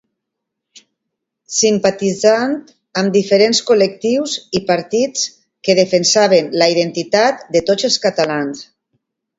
Simpatitzant amb diferents col·lectius i partits que defensaven la identitat de tots els catalans.